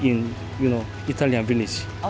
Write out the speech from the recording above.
karena kerap mencintai warga warga yang berbeda